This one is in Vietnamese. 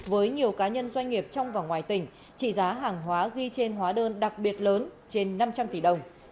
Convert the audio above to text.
với nhiều cá nhân doanh nghiệp trong và ngoài tỉnh trị giá hàng hóa ghi trên hóa đơn đặc biệt lớn trên năm trăm linh tỷ đồng